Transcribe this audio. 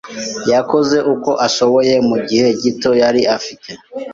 yakoze uko ashoboye mugihe gito yari afite.